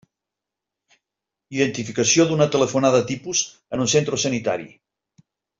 Identificació d'una telefonada tipus en un centro sanitari.